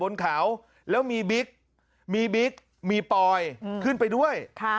บนเขาแล้วมีบิ๊กมีบิ๊กมีปอยขึ้นไปด้วย